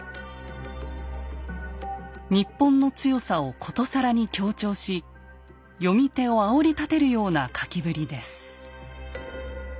日本の強さを殊更に強調し読み手をあおりたてるような書きぶりです。